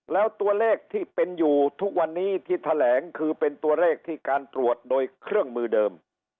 แล้วตัวเลขที่เป็นอยู่ทุกวันนี้ที่แถลงคือเป็นตัวเลขที่การตรวจโดยเครื่องมือเดิม